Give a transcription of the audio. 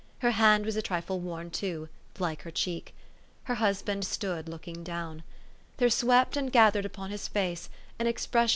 Her hand was a trifle worn, too, like her cheek. Her husband stood looking down. There swept and gathered upon his face an expression 308 THE STORY OF AVIS.